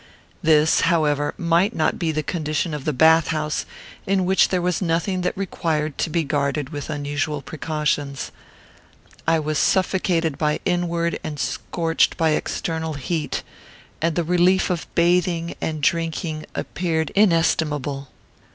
This, however, might not be the condition of the bath house, in which there was nothing that required to be guarded with unusual precautions. I was suffocated by inward and scorched by external heat; and the relief of bathing and drinking appeared inestimable.